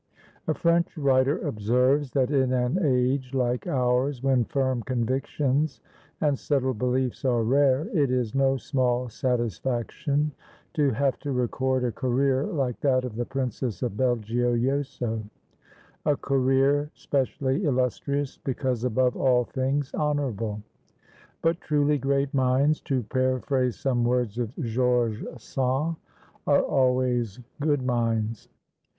A French writer observes, that in an age like ours, when firm convictions and settled beliefs are rare, it is no small satisfaction to have to record a career like that of the Princess of Belgiojoso a career specially illustrious, because, above all things, honourable. But truly great minds, to paraphrase some words of Georges Sand, are always good minds.